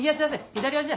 左足！